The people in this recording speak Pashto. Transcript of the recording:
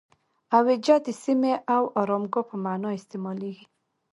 اویجه د سیمې او آرامګاه په معنی استعمالیږي.